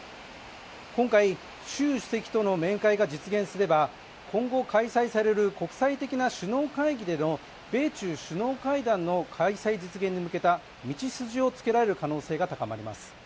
今回、習主席との面会が実現すれば今後開催される国際的な首脳会議での米中首脳会談の開催実現に向けた道筋をつけられる可能性が高まります。